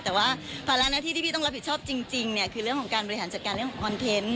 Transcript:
แต่ว่าภาระหน้าที่ที่พี่ต้องรับผิดชอบจริงเนี่ยคือเรื่องของการบริหารจัดการเรื่องของคอนเทนต์